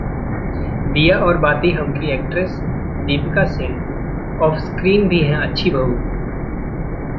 'दीया और बाती हम' की actress Deepika Singh offscreen भी हैं अच्छी बहू